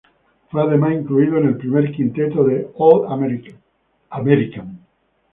Fue además incluido en el primer quinteto del All-American.